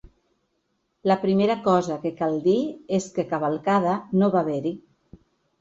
La primera cosa que cal dir és que cavalcada no va haver-hi.